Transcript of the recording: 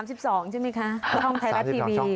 ใช่ไหมคะช่องไทยรัฐทีวี